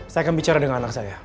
saya akan bicara dengan anak saya